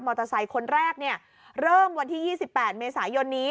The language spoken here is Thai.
มอเตอร์ไซค์คนแรกเนี่ยเริ่มวันที่ยี่สิบแปดเมษายนนี้